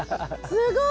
すごい！